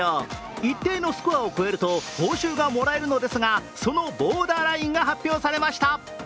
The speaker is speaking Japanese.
一定のスコアを超えると報酬がもらえるのですがそのボーダーラインが発表されました。